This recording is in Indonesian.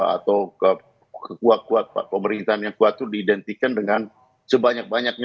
atau kekuatan kuat pemerintahan yang kuat itu diidentikan dengan sebanyak banyaknya